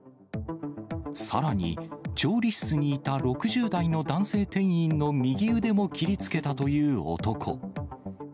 さらに、調理室にいた６０代の男性店員の右腕も切りつけたという男。